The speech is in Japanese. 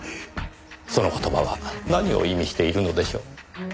その言葉は何を意味しているのでしょう？